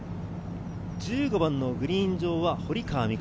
１５番のグリーン上は堀川未来